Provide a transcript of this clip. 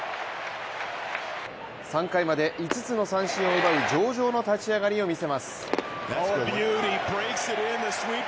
３回まで５つの三振を奪い上々の立ち上がりを見せます。